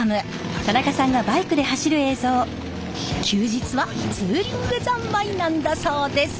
休日はツーリング三昧なんだそうです！